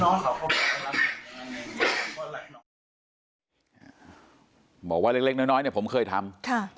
น้องเขาก็แบบว่าอะไรบอกว่าเล็กเล็กน้อยน้อยเนี้ยผมเคยทำค่ะ